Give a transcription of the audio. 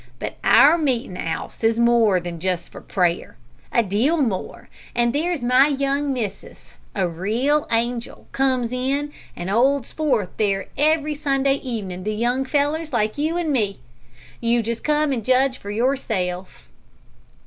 But our meetin' 'ouse is for more than prayer a deal more; and there's my young missus a real angel comes in, and 'olds forth there every Sunday evening to young fellers like you an' me. You just come an' judge for yourself."